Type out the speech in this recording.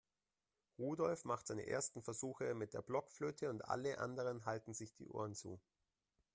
Rudolf macht seine ersten Versuche mit der Blockflöte und alle anderen halten sich die Ohren zu.